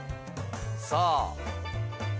さあ。